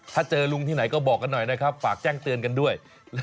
ถ้าเจอลุงที่ไหนก็บอกกันหน่อยนะครับฝากแจ้งเตือนกันด้วย